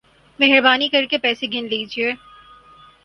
مہربانی کر کے پیسے گن لیجئے